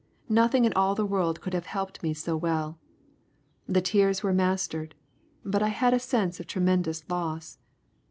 Nothing in all the world could have helped me so well. The tears were mastered, but I had a sense of tremendous loss.